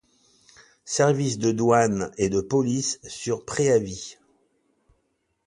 Services de douanes et de police sur préavis.